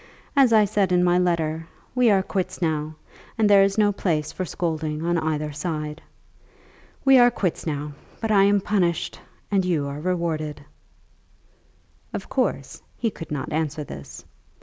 As I said in my letter, we are quits now, and there is no place for scolding on either side. We are quits now; but I am punished and you are rewarded." Of course he could not answer this.